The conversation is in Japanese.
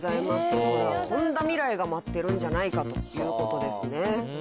これはとんだ未来が待ってるんじゃないかということですね。